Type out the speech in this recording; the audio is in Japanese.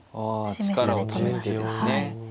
力をためてですね。